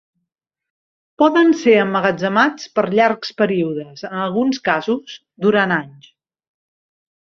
Poden ser emmagatzemats per llargs períodes, en alguns casos durant anys.